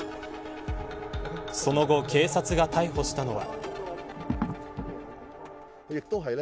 その後、警察が逮捕したのは。